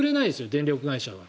電力会社は。